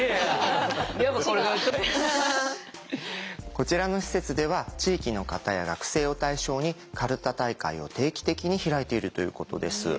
こちらの施設では地域の方や学生を対象にかるた大会を定期的に開いているということです。